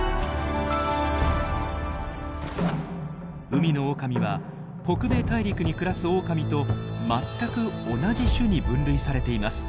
海のオオカミは北米大陸に暮らすオオカミと全く同じ種に分類されています。